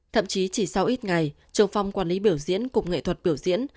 thậm chí chỉ sau ít ngày trường phong quản lý biểu diễn cùng nghệ thuật biểu diễn